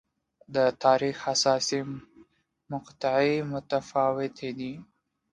د تاریخ حساسې مقطعې متفاوتې دي.